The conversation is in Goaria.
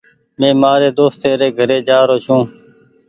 مين مآري دوستي ري گھري جآ رو ڇون۔